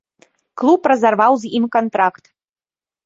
Клуб разарваў з ім кантракт.